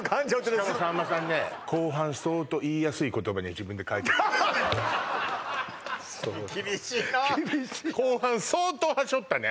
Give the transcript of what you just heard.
しかもさんまさんね後半相当言いやすい言葉に自分で変えてる厳しいな厳しい後半相当はしょったね